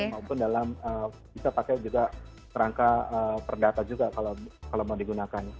maupun dalam bisa pakai juga rangka perdata juga kalau mau digunakan